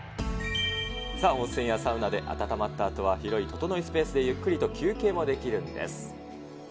温泉やサウナで温まったあとは、広いととのいスペースでゆっくりと休憩もできるんです。